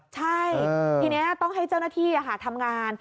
ใช่ทีนี้ต้องให้เจ้าหน้าที่ทำงาน